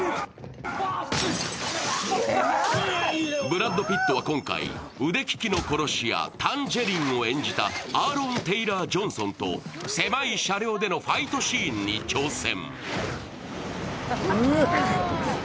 ブラッド・ピットは今回、腕利きの殺し屋、タンジェリンを演じたアーロン・テイラー＝ジョンソンと狭い車両でのファイトシーンに挑戦。